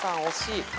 惜しい。